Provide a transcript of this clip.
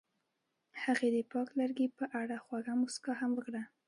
هغې د پاک لرګی په اړه خوږه موسکا هم وکړه.